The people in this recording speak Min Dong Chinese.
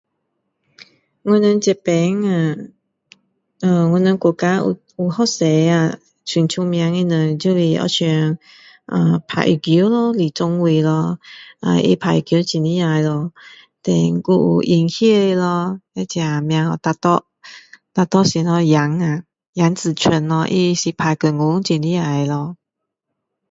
我们这边啊呃我们国家有很多啊很出名的人就很像打羽球咯李宗伟呀他打羽球很厉害咯还有演戏的咯那个名叫什么 Dato 什么 Dato 什么杨啊杨紫琼咯他是打功夫很厉害的咯